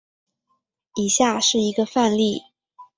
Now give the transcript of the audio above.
以下是一个范例。